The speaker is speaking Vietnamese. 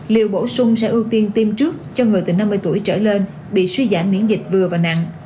liệu bổ sung sẽ ưu tiên tiêm trước cho người từ năm mươi tuổi trở lên bị suy giảm miễn dịch vừa và nặng